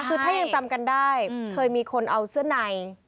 คือถ้ายังจำกันได้เคยมีคนเอาเสื้อใน